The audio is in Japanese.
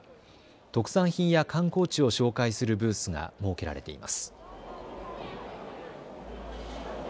特産品や観光地を紹介するブースが設けられています。